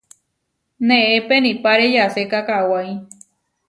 Neé penipáre yaséka kawái.